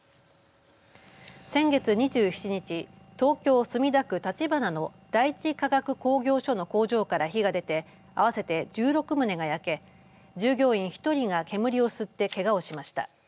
先月２７日東京、墨田区立花の第一化学工業所の工場から火が出て合わせて１６棟が焼け従業員１人が煙を吸って、けがをしました。